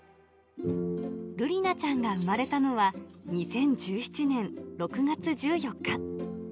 るりなちゃんが生まれたのは２０１７年６月１４日。